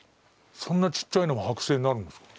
そんなちっちゃいのが剥製になるんですか？